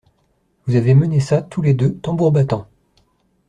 Vous avez mené ça, tous les deux, tambour battant!